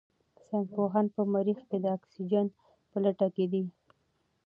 ساینس پوهان په مریخ کې د اکسیجن په لټه کې دي.